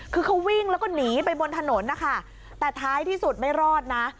คือเขาวิ่งแล้วก็หนีไปบนถนนนะคะแต่ท้ายที่สุดไม่รอดนะ